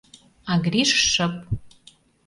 А Гриш шып.